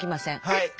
はい。